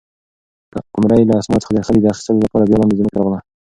قمرۍ له اسمانه څخه د خلي د اخیستلو لپاره بیا لاندې ځمکې ته راغله.